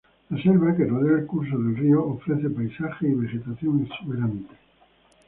La selva que rodea el curso del río ofrece paisajes y vegetación exuberante.